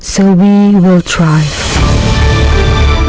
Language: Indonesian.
jadi kita akan mencoba